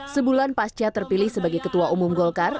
sebulan pasca terpilih sebagai ketua umum golkar